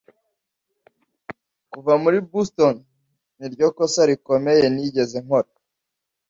Kuva muri Boston niryo kosa rikomeye nigeze gukora.